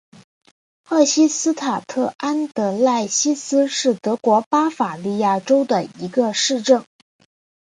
赫希斯塔特安德赖斯希是德国巴伐利亚州的一个市镇。